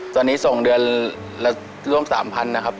ตอนนี้สองเดือนร่วมสามพันนะครับ